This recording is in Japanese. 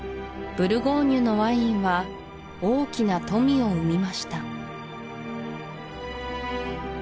ブルゴーニュのワインは大きな富を生みました